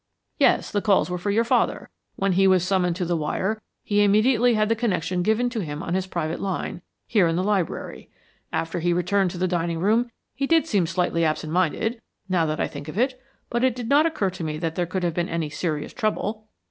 "Yes; the calls were for your father. When he was summoned to the wire he immediately had the connection given to him on his private line, here in the library. After he returned to the dining room he did seem slightly absent minded, now that I think of it; but it did not occur to me that there could have been any serious trouble.